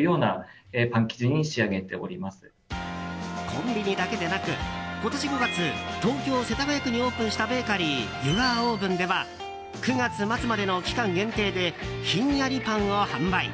コンビニだけでなく今年５月、東京・世田谷区にオープンしたベーカリーＹＯＵＲＯＶＥＮでは９月末までの期間限定で冷んやりパンを販売。